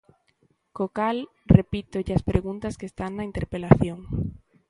Co cal, repítolle as preguntas que están na interpelación.